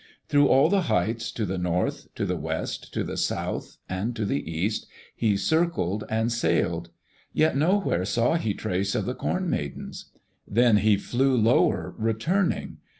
Through all the heights, to the north, to the west, to the south, and to the east, he circled and sailed. Yet nowhere saw he trace of the Corn Maidens. Then he flew lower, returning.